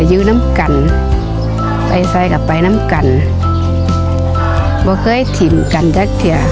แต่อยู่ซ้ำกันเข้าไปติ่งไปซ้ำกันก็คิดไตลกดักเทีย